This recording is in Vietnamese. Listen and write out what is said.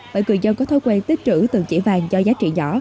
bởi người dân có thói quen tích trữ từng chỉ vàng do giá trị nhỏ